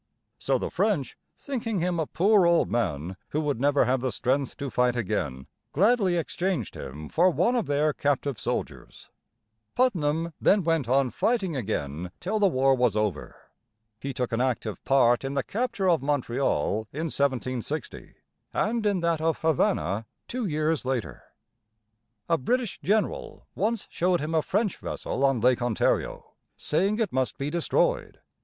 So the French, thinking him a poor old man who would never have the strength to fight again, gladly exchanged him for one of their captive soldiers. Putnam then went on fighting again till the war was over. He took an active part in the capture of Montreal in 1760, and in that of Havana two years later. A British general once showed him a French vessel on Lake Ontario, saying it must be destroyed.